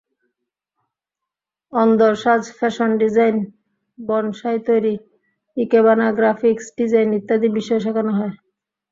অন্দরসাজ, fashion design, bonsai তৈরি, ikebana, graphics design ইত্যাদি বিষয় শেখানো হয়।